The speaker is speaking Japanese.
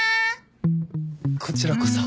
こちらこそ。